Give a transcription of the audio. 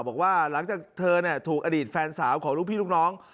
บอกว่าหลังจากเธอถูกอดีตแฟนสาวของลูกพี่ลูกน้อง